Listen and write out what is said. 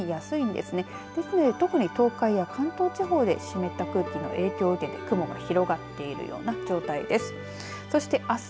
ですので特に東海や関東地方で湿った空気の影響を受けて雲が広がっているような状態です。